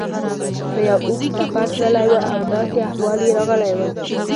په یو اوږد سفر تللی و او داسې احوال یې راغلی و.